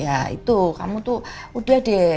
ya itu kamu tuh udah deh